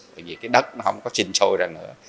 bởi vì đất nó không có sinh sôi ra nữa